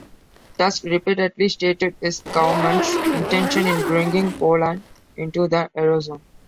Tusk repeatedly stated his government's intention in bringing Poland into the Eurozone.